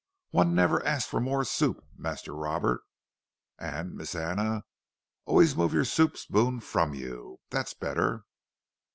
—One never asks for more soup, Master Robert.—And Miss Anna, always move your soup spoon from you—that's better!